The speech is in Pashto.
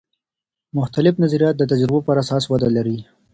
مختلف نظریات د تجربو پراساس وده لري.